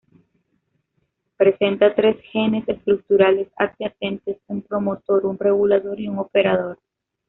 Presenta tres genes estructurales adyacentes, un promotor, un regulador y un operador.